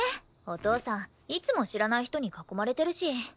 お父さんいつも知らない人に囲まれてるし。